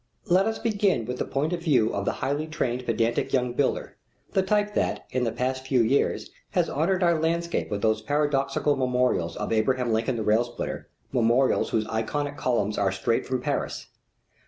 Let us begin with the point of view of the highly trained pedantic young builder, the type that, in the past few years, has honored our landscape with those paradoxical memorials of Abraham Lincoln the railsplitter, memorials whose Ionic columns are straight from Paris.